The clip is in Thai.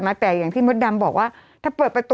กรมป้องกันแล้วก็บรรเทาสาธารณภัยนะคะ